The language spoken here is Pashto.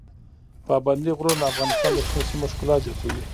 پابندي غرونه د افغانستان د شنو سیمو ښکلا زیاتوي.